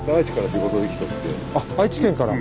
あっ愛知県から。